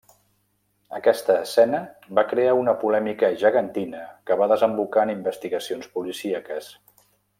Aquesta escena va crear una polèmica gegantina que va desembocar en investigacions policíaques.